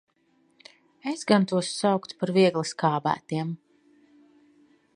Es gan tos sauktu par viegli sk?b?tiem.